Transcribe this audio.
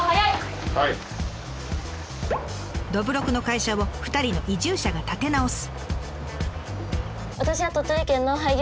どぶろくの会社を２人の移住者が立て直す。